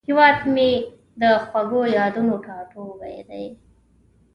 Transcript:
هیواد مې د خوږو یادونو ټاټوبی دی